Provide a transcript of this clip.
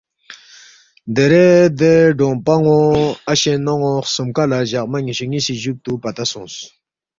دیرے دے ڈونگپان٘و اشے نون٘و خسُومکا لہ جقما نِ٘یشُو نِ٘یسی جُوکتُو پتہ سونگس